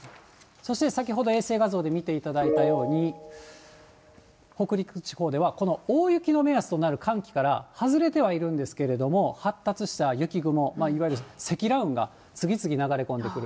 そして先ほど衛星画像で見ていただいたように、北陸地方では、この大雪の目安となる寒気から外れてはいるんですけれども、発達した雪雲、いわゆる積乱雲が、次々流れ込んでくる。